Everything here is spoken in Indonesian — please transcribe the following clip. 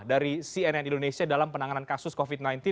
dari cnn indonesia dalam penanganan kasus covid sembilan belas